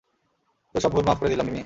তোর সব ভুল মাফ করে দিলাম, মিমি।